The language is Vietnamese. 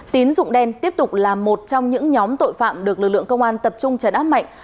tín dụng đen tiếp tục là một trong những nhóm tội phạm được lực lượng công an tập trung chấn áp mạnh